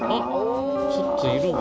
ちょっと色が。